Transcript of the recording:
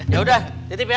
ya udah titip ya